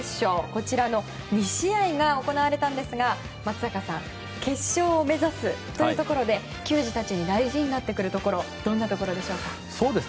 こちらの２試合が行われましたが松坂さん、決勝を目指すうえで球児たちに大事になってくるところどんなところですか？